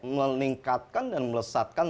meningkatkan dan melesatkan